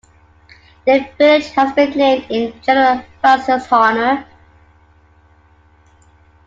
The Village has been named in General Vatsa's honour.